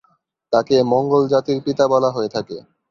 তাকে মঙ্গোল জাতির পিতা বলা হয়ে থাকে।